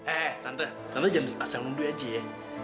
eh tante tante jangan pasang mundur aja ya